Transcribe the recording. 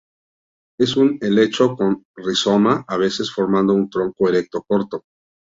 Es un helecho con rizoma, a veces formando un tronco erecto corto.